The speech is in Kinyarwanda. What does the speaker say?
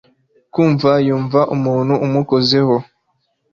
kumva yumva umuntu amukozeho